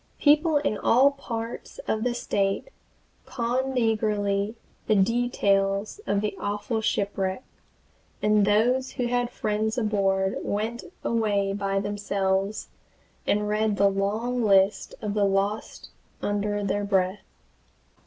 People in all parts of the State conned eagerly the details of an awful shipwreck, and those who had friends aboard went away by themselves, and read the long list of the lost under their breath.